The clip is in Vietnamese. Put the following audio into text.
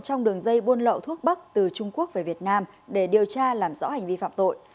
trong đường dây buôn lậu thuốc bắc từ trung quốc về việt nam để điều tra làm rõ hành vi phạm tội